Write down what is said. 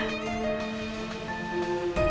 mas al sudah siap